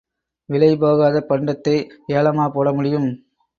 விலை போகாத பண்டத்தை ஏலமா போட முடியும்.